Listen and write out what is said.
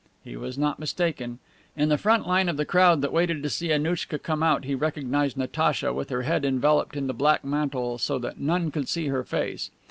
He was not mistaken. In the front line of the crowd that waited to see Annouchka come out he recognized Natacha, with her head enveloped in the black mantle so that none should see her face.